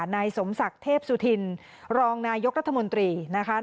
นายสมศักดิ์เทพสุธินรองนายกรัฐมนตรีนะคะ